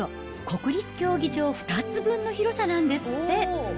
国立競技場２つ分の広さなんですって。